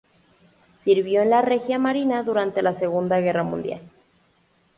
Sirvió en la Regia Marina durante la Segunda Guerra Mundial.